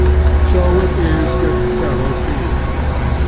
So it is with fellow feeling.